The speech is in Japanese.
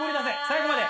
最後まで！